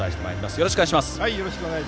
よろしくお願いします。